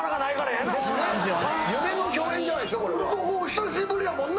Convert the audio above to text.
久しぶりやもんな。